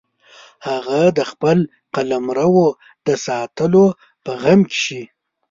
هغه د خپل قلمرو د ساتلو په غم کې شي.